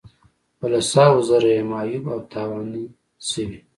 په لس هاوو زره یې معیوب او تاوان شوي.